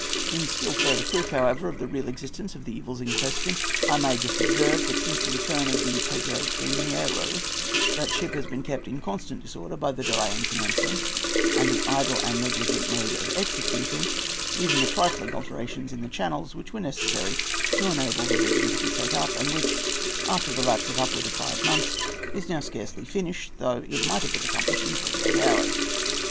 In still further proof, however, of the real existence of the evils in question, I may just observe that since the return of the Pedro Primiero, that ship has been kept in constant disorder by the delay in commencing and the idle and negligent mode of executing even the trifling alterations in the channels, which were necessary to enable the rigging to be set up, and which, after the lapse of upwards of five months, is now scarcely finished, though it might have been accomplished in forty eight hours.